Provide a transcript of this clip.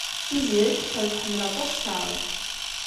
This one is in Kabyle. Tiziri teqqel tḥemmel aṭas Charles.